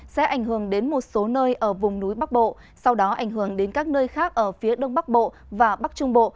sẽ ảnh hưởng đến một số nơi ở vùng núi bắc bộ sau đó ảnh hưởng đến các nơi khác ở phía đông bắc bộ và bắc trung bộ